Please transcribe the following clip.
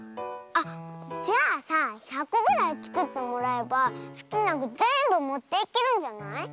あっじゃあさ１００こぐらいつくってもらえばすきなぐぜんぶもっていけるんじゃない？